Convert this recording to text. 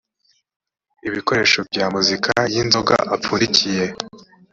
ibikoresho bya muzika y inzoga apfundikiye